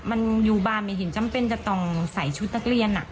มันอยู่บ้านไม่เห็นจำเป็นจะต้องใส่ชุดนักเรียน